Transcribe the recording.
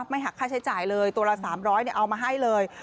ไม่หักค่าใช้จ่ายเลยตัวละ๓๐๐เอามาให้เลย